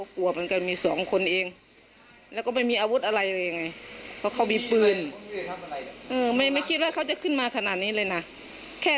เจ้าของร้านเบียร์ยิงใส่หลายนัดเลยค่ะ